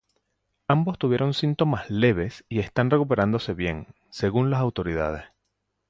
Ambos tuvieron síntomas "leves" y están recuperándose bien, según las autoridades.